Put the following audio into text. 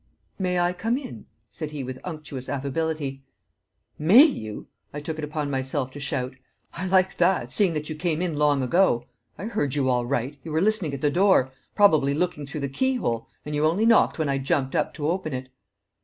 "May I come in?" said he with unctuous affability. "May you!" I took it upon myself to shout. "I like that, seeing that you came in long ago! I heard you all right you were listening at the door probably looking through the keyhole and you only knocked when I jumped up to open it!"